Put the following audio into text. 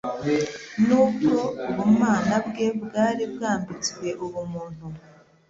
Nubwo ubumana bwe bwari bwambitswe ubumuntu,